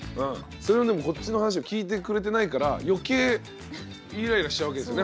それはでもこっちの話を聞いてくれてないから余計イライラしちゃうわけですよね